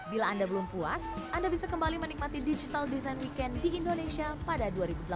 bila anda belum puas anda bisa kembali menikmati digital design weekend di indonesia pada dua ribu delapan belas